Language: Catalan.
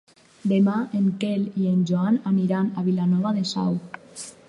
Demà en Quel i en Joan aniran a Vilanova de Sau.